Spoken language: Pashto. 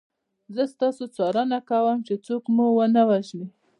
زه ستاسو څارنه کوم چې څوک مو ونه وژني